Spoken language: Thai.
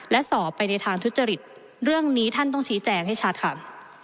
และสอบไปในทางทุจริตเรื่องนี้ท่านต้องชี้แจงให้ชัดค่ะ